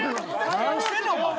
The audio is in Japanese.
何してんねんお前。